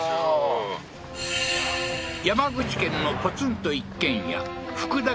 山口県のポツンと一軒家福田